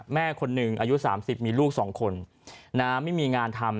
แม่คนหนึ่งอายุ๓๐มีลูก๒คนไม่มีงานทำ